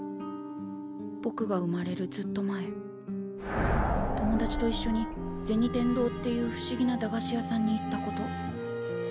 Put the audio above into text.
ぼくが生まれるずっと前友達といっしょに銭天堂っていうふしぎな駄菓子屋さんに行ったこと。